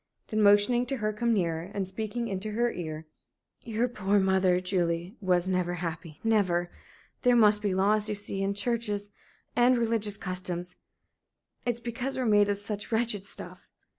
Then, motioning to her to come nearer, and speaking into her ear: "Your poor mother, Julie, was never happy never! There must be laws, you see and churches and religious customs. It's because we're made of such wretched stuff.